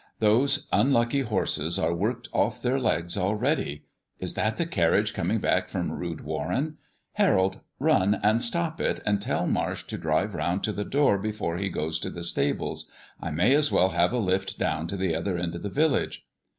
Those unlucky horses are worked off their legs already. Is that the carriage coming back from Rood Warren? Harold, run and stop it, and tell Marsh to drive round to the door before he goes to the stables. I may as well have a lift down to the other end of the village."